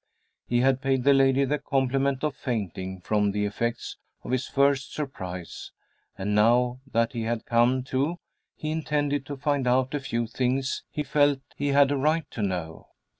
He had paid the lady the compliment of fainting from the effects of his first surprise, and now that he had come to he intended to find out a few things he felt he had a right to know.